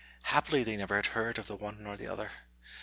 Happily they never had heard of the one or the other.